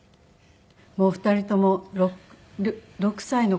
もう２人とも６歳の子